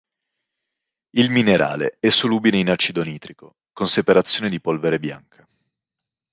Il minerale è solubile in acido nitrico con separazione di polvere bianca.